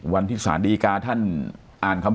วันที่สาธารณีกาท่านอ่านคำวิทยาลัย